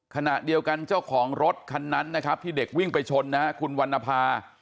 ขณะเดียวกันเจ้าของรถคันนั้นนะครับที่เด็กวิ่งไปชนนะฮะคุณวรรณภา